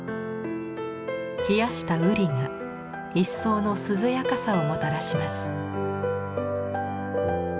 冷やした瓜が一層の涼やかさをもたらします。